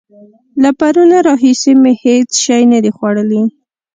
له پرونه راهسې مې هېڅ شی نه دي خوړلي.